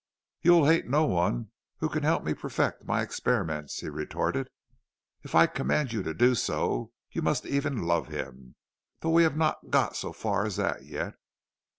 "'You will hate no one who can help me perfect my experiments,' he retorted. 'If I command you to do so, you must even love him, though we have not got so far as that yet.'